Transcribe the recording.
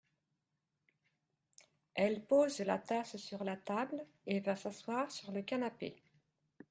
Elle pose la tasse sur la table et va s’asseoir sur le canapé.